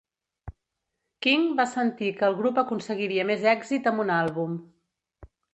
King va sentir que el grup aconseguiria més èxit amb un àlbum.